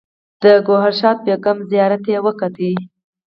د ګوهر شاد بیګم زیارت وکتل.